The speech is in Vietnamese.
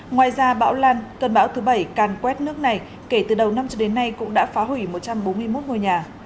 ngoài ra bão lan cơn bão thứ bảy càn quét nước này kể từ đầu năm cho đến nay cũng đã phá hủy một trăm bốn mươi một ngôi nhà